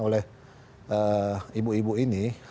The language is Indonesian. oleh ibu ibu ini